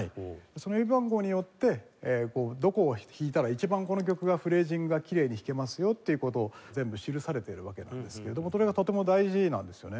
その指番号によってどこを弾いたら一番この曲がフレージングがきれいに弾けますよという事を全部記されてるわけなんですけどもこれがとても大事なんですよね。